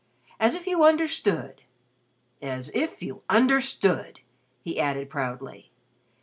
As if you understood as if you understood," he added, proudly.